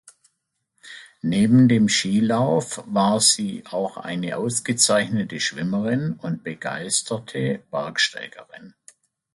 Neben dem Skilauf war sie auch eine ausgezeichnete Schwimmerin und begeisterte Bergsteigerin.